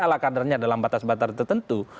ala kadernya dalam batas batas tertentu